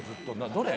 どれ？